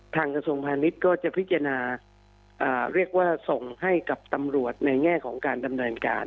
กระทรวงพาณิชย์ก็จะพิจารณาเรียกว่าส่งให้กับตำรวจในแง่ของการดำเนินการ